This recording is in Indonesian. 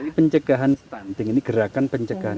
jadi pencegahan stunting ini gerakan pencegahan